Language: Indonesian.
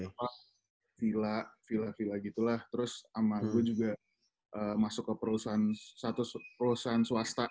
villa villa villa gitu lah terus sama gue juga masuk ke perusahaan satu perusahaan swasta